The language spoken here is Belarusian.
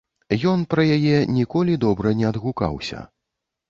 Ён пра яе ніколі добра не адгукаўся.